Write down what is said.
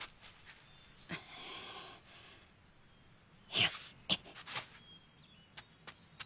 よし。